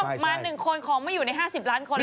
มา๑คนของไม่อยู่ใน๕๐ล้านคน